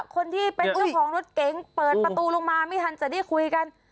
คนที่เป็นเจ้าของรถเก๋งเปิดประตูลงมาไม่ทันจะได้คุยกัน